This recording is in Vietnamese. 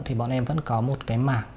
thì bọn em vẫn có một cái mạc